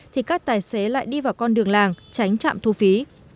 thì các tài xế lại đi vào con đường làng tránh trạm thu phí